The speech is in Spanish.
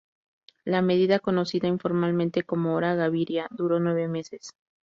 La medida, conocida informalmente como "Hora Gaviria", duró nueve meses.